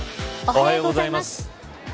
おはようございます。